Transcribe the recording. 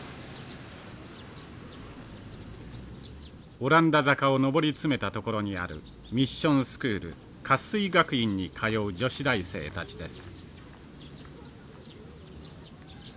オランダ坂を上り詰めた所にあるミッションスクール活水学院に通う女子大生たちです。